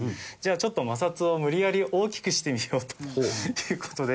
ちょっと摩擦を無理やり大きくしてみようという事で。